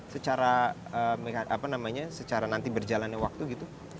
secara apa namanya secara nanti berjalannya waktu gitu